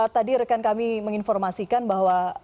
tadi rekan kami menginformasikan bahwa